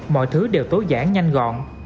mọi thứ đều tối giản nhanh gọn